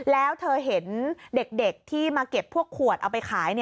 แล้วเธอเห็นเด็กที่มาเก็บพวกขวดเอาไปขาย